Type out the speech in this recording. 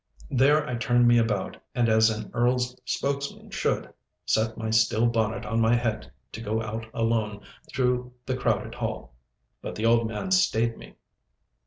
There I turned me about, and, as an Earl's spokesman should, set my steel bonnet on my head to go out alone through the crowded hall. But the old man stayed me.